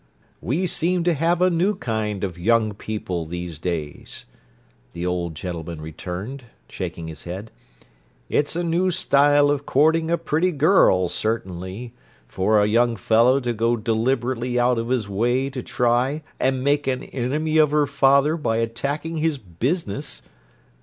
"We seem to have a new kind of young people these days," the old gentleman returned, shaking his head. "It's a new style of courting a pretty girl, certainly, for a young fellow to go deliberately out of his way to try and make an enemy of her father by attacking his business!